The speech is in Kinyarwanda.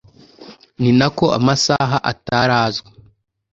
ni nako amasaha atari azwi